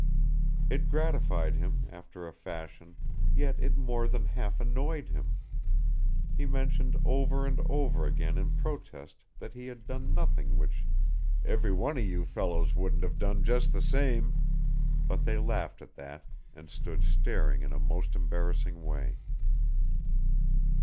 It gratified him, after a fashion, yet it more than half annoyed him. He mentioned over and over again in protest that he had done nothing which "every one of you fellows wouldn't have done just the same," but they laughed at that and stood staring in a most embarrassing way.